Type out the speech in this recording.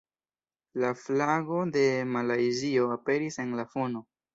La flago de Malajzio aperis en la fono.